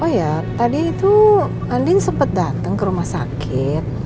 oh ya tadi itu andien sempet dateng ke rumah sakit